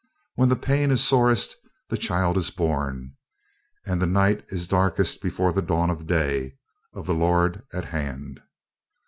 "When the pain is sorest, the child is born; and the night is darkest before the dawn of the day of the Lord at hand."